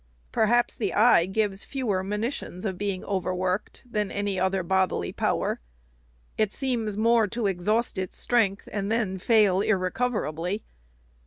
Perhaps the eye gives fewer monitions of being overworked, than any other bodily power. It seems more to exhaust its strength, and then fail irrecoverably.